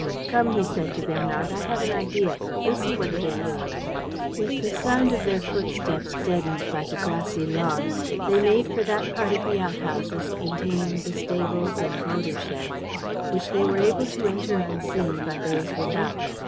"Come," he said to Bernard. "I have an idea: you'll see what it is." With the sound of their footsteps deadened by a grassy lawn, they made for that part of the out houses containing the stables and motor sheds, which they were able to enter unseen by those without.